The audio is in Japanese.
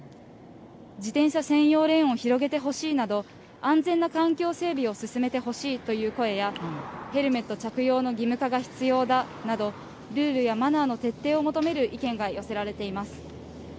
自転車専用レーンを広げてほしいなど、安全な環境整備を進めてほしいという声や、ヘルメット着用の義務化が必要だなど、ルールやマナーの徹底を求める意見が寄せられています。